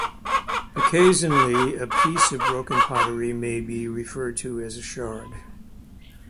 Occasionally, a piece of broken pottery may be referred to as a shard.